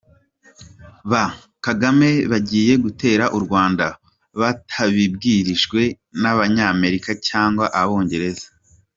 Ba « Kagame bagiye gutera u Rwanda batabibwirijwe n’Abanyamerika cyangwa Abongereza !